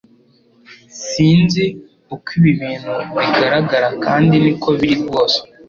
sinz uko ibi bintu bigaragara kandi niko biri rwose